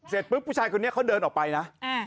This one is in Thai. เสร็จปุ๊บผู้ชายคนนี้เขาเดินออกไปนะ